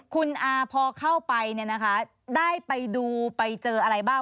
คุณอาพอเข้าไปเนี่ยนะคะได้ไปดูไปเจออะไรบ้าง